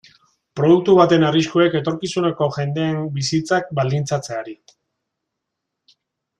Produktu baten arriskuek etorkizuneko jendeen bizitzak baldintzatzeari.